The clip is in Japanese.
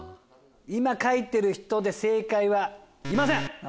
今書いてる人で正解はいません。